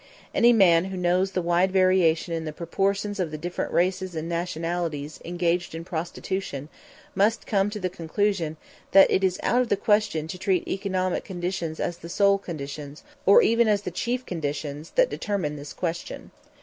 Any man who knows the wide variation in the proportions of the different races and nationalities engaged in prostitution must come to the conclusion that it is out of the question to treat economic conditions as the sole conditions or even as the chief conditions that determine this question.